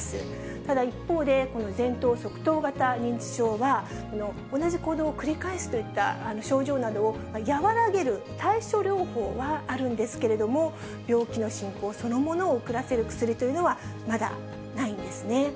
ただ一方で、この前頭側頭型認知症は、同じ行動を繰り返すといった症状などを和らげる対症療法はあるんですけれども、病気の進行そのものを遅らせる薬というのはまだないんですね。